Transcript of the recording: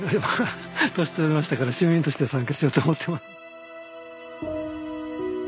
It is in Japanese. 年取りましたから市民として参加しようと思ってます。